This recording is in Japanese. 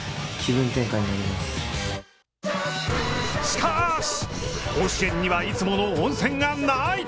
しかし、甲子園にはいつもの温泉がない。